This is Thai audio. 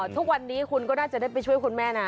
ทุกวันนี้คุณก็น่าจะได้ไปช่วยคุณแม่นะ